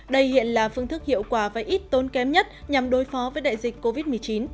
đây hiện là phương thức hiệu quả và ít tốn kém nhất nhằm đối phó với đại dịch covid một mươi chín